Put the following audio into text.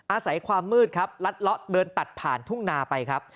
อาศัยความมืดครับลัดเลาะเดินตัดผ่านทุ่งนาไปครับ